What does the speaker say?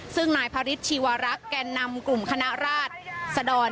ซึ่งหนอยพลิตชีวรักษ์แกนนำกลุ่มคณะรัฐศดร